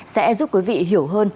sẽ giúp quý vị hiểu hơn